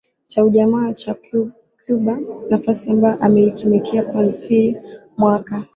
Cha Ujamaa cha Cuba nafasi ambayo ameitumikia kuanzia mwaka